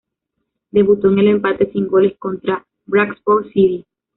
Debutó en el empate sin goles contra el Bradford City.